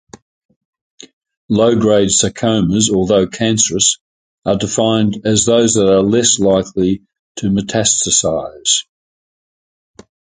Low-grade sarcomas, although cancerous, are defined as those that are less likely to metastasise.